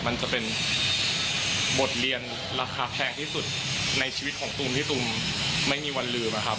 มันจะเป็นบทเรียนราคาแพงที่สุดในชีวิตของตูมที่ตุมไม่มีวันลืมนะครับ